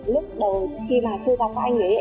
lúc đầu khi mà chưa gặp các anh ấy